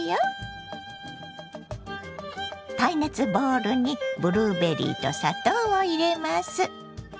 耐熱ボウルにブルーベリーと砂糖を入れます。